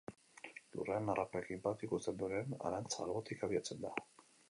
Lurrean harrapakin bat ikusten duenean, harantz albotik abiatzen da.